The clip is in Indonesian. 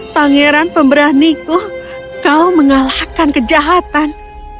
pangeran pemberaniku kau mengalahkan kejahatan